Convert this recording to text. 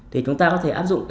thì chúng ta có thể áp dụng